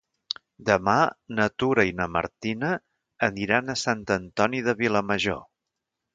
Demà na Tura i na Martina aniran a Sant Antoni de Vilamajor.